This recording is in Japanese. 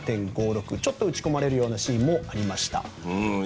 ちょっと打ち込まれるようなシーンもありました。